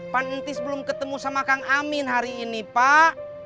pan entis belum ketemu sama kang amin hari ini pak